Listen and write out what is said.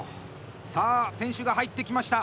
さあ、選手が入ってきました。